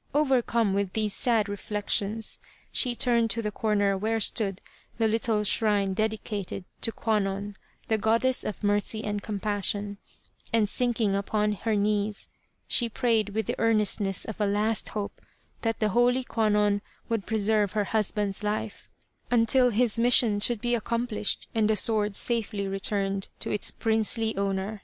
" Overcome with these sad reflections, she turned to the corner where stood the little shrine dedicated to Kwannon, the Goddess of Mercy and Compassion, and sinking upon her knees she prayed with the earnestness of a last hope, that the holy Kwannon would preserve her husband's life until his mission 15 The Quest of the Sword should be accomplished and the sword safely returned to its princely owner.